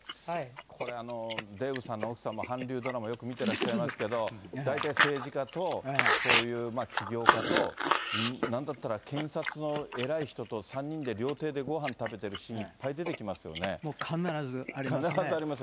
これはデーブさんの奥さんも韓流ドラマよく見てらっしゃいますけど、大体政治家と、こういう起業家と、なんだったら検察の偉い人と３人で料亭でごはん食べてるシーン、必ずあります。